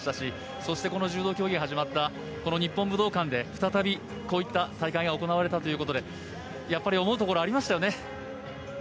そして、柔道競技が始まったこの日本武道館で再び、こういった大会が行われたということでやっぱり思うところありましたよね。